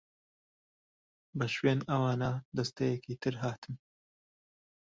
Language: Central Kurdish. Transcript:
بە شوێن ئەوانا دەستەیەکی تر هاتن.